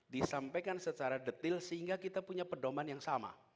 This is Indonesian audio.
disampaikan secara detail sehingga kita punya pedoman yang sama